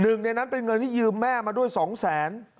หนึ่งในนั้นเป็นเงินที่ยืมแม่มาด้วย๒แสน